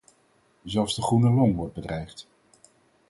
Zelfs de groene long wordt bedreigd.